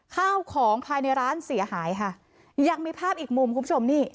ข้าวของภายในร้านเสียหายค่ะยังมีภาพอีกมุมคุณผู้ชมนี่